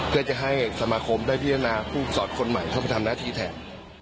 เพื่อจะให้สมาคมได้พิจารณาผู้สอดคนใหม่เข้าไปทำหน้าที่แทน